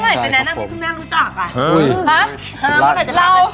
เมื่อไหร่จะแนะนำให้คุณแม่รู้จักอะ